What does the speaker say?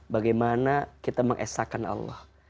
bagaimana kita mengesahkan allah